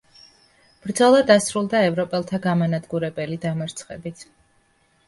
ბრძოლა დასრულდა ევროპელთა გამანადგურებელი დამარცხებით.